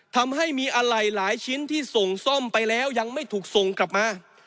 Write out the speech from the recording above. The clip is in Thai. ทำให้มีอะไรหลายชิ้นที่ส่งซ่อมไปแล้วยังไม่ถูกส่งกลับมา